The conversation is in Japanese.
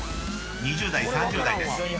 ［２０代３０代です。